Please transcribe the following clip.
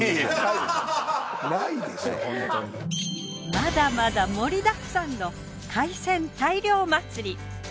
まだまだ盛りだくさんの海鮮大漁祭り。